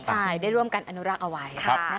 ใช่ได้ร่วมกันอนุรักษ์เอาไว้